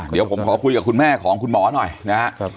เดี๋ยวผมขอคุยกับคุณแม่ของคุณหมอหน่อยนะครับ